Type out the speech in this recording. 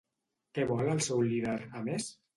Què vol el seu líder, a més?